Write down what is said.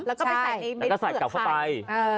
แล้วก็ใส่กลับเข้าไป